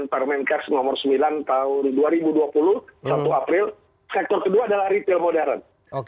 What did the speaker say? sektor kedua adalah retail modern